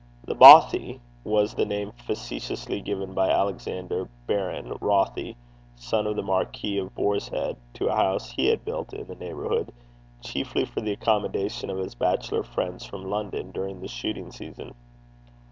The Bothie was the name facetiously given by Alexander, Baron Rothie, son of the Marquis of Boarshead, to a house he had built in the neighbourhood, chiefly for the accommodation of his bachelor friends from London during the shooting season.